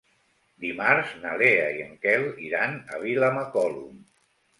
Dimarts na Lea i en Quel iran a Vilamacolum.